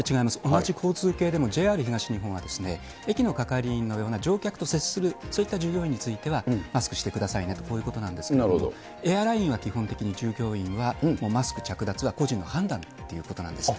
同じ交通系でも、ＪＲ東日本は、駅の係員のような乗客と接する、そういった従業員についてはマスクしてくださいねと、こういうことなんですけれども、エアラインは基本的に従業員はもうマスク着脱は個人の判断ということなんです。